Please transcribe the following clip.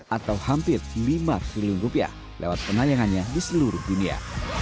atau hampir lima triliun rupiah lewat penayangannya di seluruh dunia